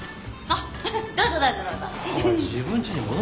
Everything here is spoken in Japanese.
あっ。